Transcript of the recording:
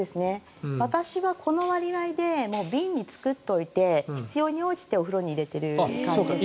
私はこの割合で瓶に作っておいて必要に応じてお風呂に入れている感じです。